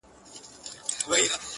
په رباب کي بم او زیر را سره خاندي,